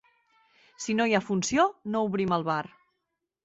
Si no hi ha funció, no obrim el bar.